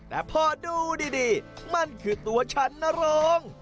แต่พอดูดีมันคือตัวฉันนโรง